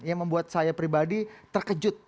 yang membuat saya pribadi terkejut